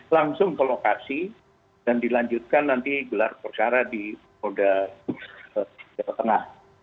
langsung ke lokasi dan dilanjutkan nanti gelar perkara di polda jawa tengah